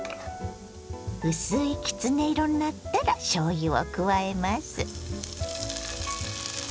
薄いきつね色になったらしょうゆを加えます。